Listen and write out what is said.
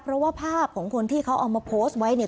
เพราะว่าภาพของคนที่เขาเอามาโพสต์ไว้เนี่ย